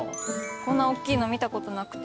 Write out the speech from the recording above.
こんなおっきいの見たことなくて。